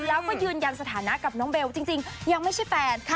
แล้วก็ยืนยันสถานะกับน้องเบลจริงยังไม่ใช่แฟน